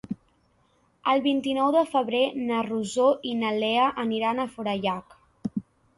El vint-i-nou de febrer na Rosó i na Lea aniran a Forallac.